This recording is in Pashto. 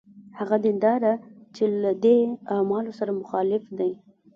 هغه دینداره چې له دې اعمالو سره مخالف دی.